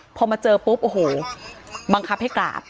พอมาเจอปุ๊บโอ้โหบังคับให้กราบ